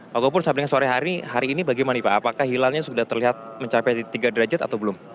pak gopur sampai dengan sore hari ini bagaimana pak apakah hilalnya sudah terlihat mencapai tiga derajat atau belum